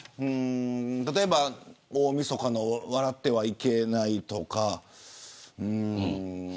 例えば大みそかの笑ってはいけないとか。